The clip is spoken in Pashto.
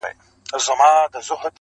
o زما دقام خلګ چي جوړ سي رقيبان ساتي,